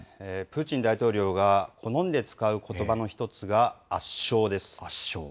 プーチン大統領が好んで使うことばの一つが圧勝です。